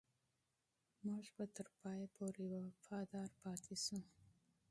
موږ به تر پایه پورې وفادار پاتې شو.